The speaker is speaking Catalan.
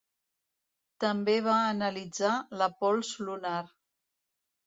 També va analitzar la pols lunar.